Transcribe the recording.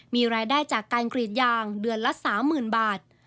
มีรายได้จากการกรีดยางเดือนละ๓๐๐๐บาท